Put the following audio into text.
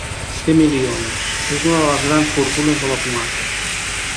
Té milions: és una de les grans fortunes de la comarca.